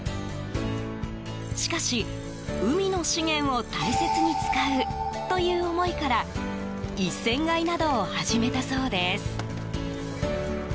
しかし、海の資源を大切に使うという思いから一船買いなどを始めたそうです。